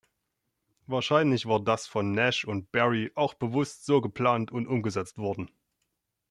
Wahrscheinlich war das von Nash und Barry auch bewusst so geplant und umgesetzt worden.